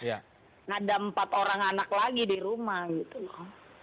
ada empat orang anak lagi di rumah gitu loh